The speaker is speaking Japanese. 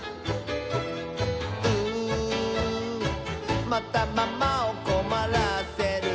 「うーまたママをこまらせる」